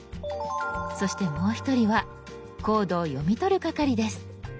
そしてもう一人はコードを読み取る係です。